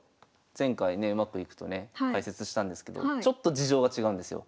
前回ねうまくいくとね解説したんですけどちょっと事情が違うんですよ。